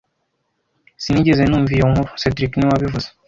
Sinigeze numva iyo nkuru cedric niwe wabivuze